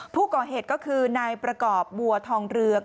ผู้ก่อเหตุก็คือนายประกอบบัวทองเรือง